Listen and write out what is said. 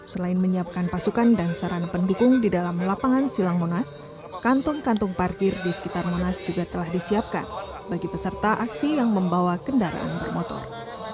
selain menyiapkan pasukan dan sarana pendukung di dalam lapangan silang monas kantong kantong parkir di sekitar monas juga telah disiapkan bagi peserta aksi yang membawa kendaraan bermotor